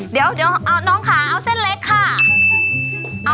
เดี๋ยวน้องค่ะเอาเส้นเล็กค่ะ